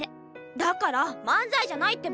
だから漫才じゃないってば！